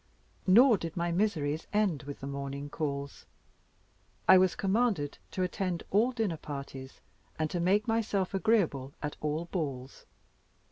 Nor did my miseries end with the morning calls. I was commanded to attend all dinner parties, and to make myself agreeable at all balls.